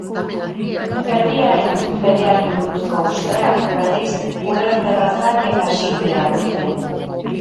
Herriaren fedeari buruzko usteak, berriz, ulerterrazak eta sinpleak ziren.